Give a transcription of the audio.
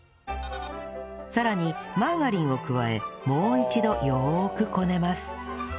さらにマーガリンを加えもう一度よーくこねます